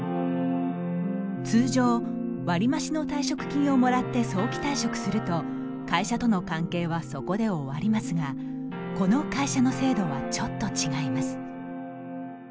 通常、割り増しの退職金をもらって早期退職すると会社との関係はそこで終わりますがこの会社の制度はちょっと違います。